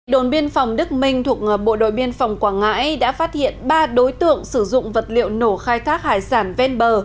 đồn biên phòng đức minh thuộc bộ đội biên phòng quảng ngãi đã phát hiện ba đối tượng sử dụng vật liệu nổ khai thác hải sản ven bờ